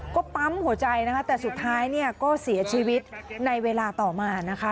ก็ปั๊มหัวใจนะคะแต่สุดท้ายเนี่ยก็เสียชีวิตในเวลาต่อมานะคะ